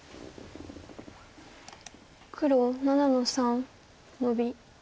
黒７の三ノビ。